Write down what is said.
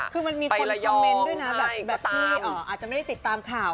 คือมันมีคนคอมเมนต์ด้วยนะแบบที่อาจจะไม่ได้ติดตามข่าว